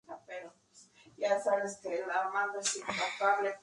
Arthur Maia es otro fruto de las divisiones inferiores del Vitória.